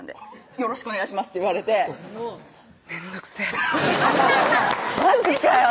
「よろしくお願いします」って言われてめんどくせぇマジかよ